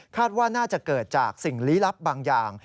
ว่าน่าจะเกิดจากสิ่งลี้ลับบางอย่าง